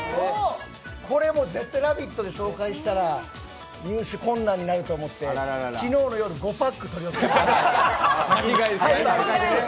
これも絶対「ラヴィット！」で紹介したら入手困難になると思って昨日の夜、５パック取り寄せておきました。